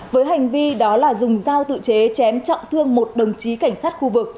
với hành vi đó là dùng dao tự chế chém trọng thương một đồng chí cảnh sát khu vực